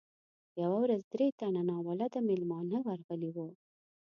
یوه ورځ درې تنه ناولده میلمانه ورغلي وو.